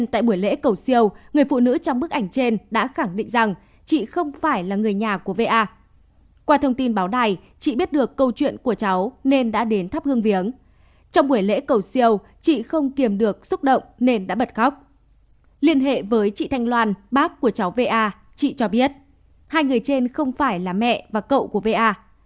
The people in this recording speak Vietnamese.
trên hệ với chị thanh loan bác của cháu va chị cho biết hai người trên không phải là mẹ và cậu của va